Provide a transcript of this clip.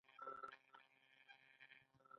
د خیاطۍ او ګنډلو بازار څنګه دی؟